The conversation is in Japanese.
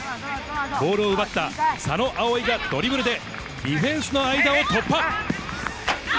ボールを奪った佐野あおいがドリブルでディフェンスの間を突破。